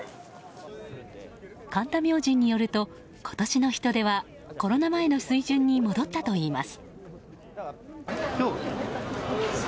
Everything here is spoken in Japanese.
神田明神によると、今年の人出はコロナ前の水準に戻ったといいます。